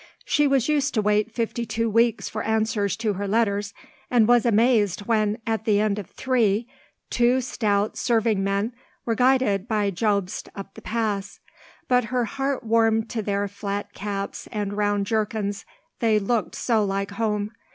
She was used to wait fifty two weeks for answers to her letters, and was amazed when, at the end of three, two stout serving men were guided by Jobst up the pass; but her heart warmed to their flat caps and round jerkins, they looked so like home.